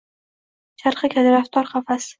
Charxi kajraftor qafas